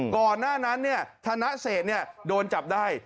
ก่อนหน้านั้นธนเศษโดนจับได้